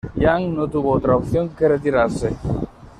Yang no tuvo otra opción que retirarse.